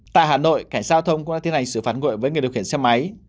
tại hà nội cảnh sát hạ thông cũng đã tiến hành xử phản ngội với người điều khiển xe máy